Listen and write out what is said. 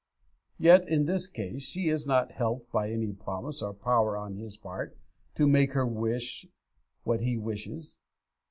Yet in this case she is not helped by any promise or power on his part to make her wish what he wishes.